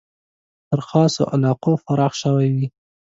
تر خاصو علاقو پراخ شوی وي.